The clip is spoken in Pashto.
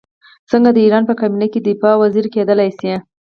څنګه د ایران په کابینه کې د دفاع وزیر کېدلای شي.